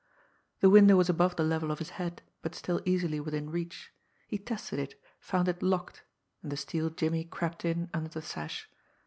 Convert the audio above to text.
The window was above the level of his head, but still easily within reach. He tested it, found it locked and the steel jimmy crept in under the sash.